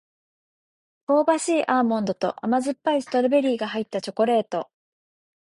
香ばしいアーモンドと甘酸っぱいストロベリーが入ったチョコレート